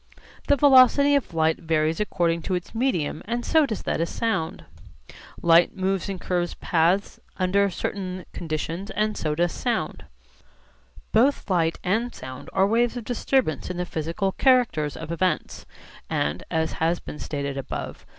The velocity of light varies according to its medium and so does that of sound. Light moves in curved paths under certain conditions and so does sound. Both light and sound are waves of disturbance in the physical characters of events; and (as has been stated above, p.